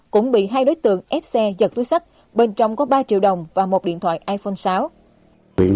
cũng bị hai đối tượng ép xe giật túi sách bên trong có ba triệu đồng và một điện thoại iphone sáu